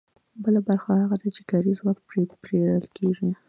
بله برخه هغه ده چې کاري ځواک پرې پېرل کېږي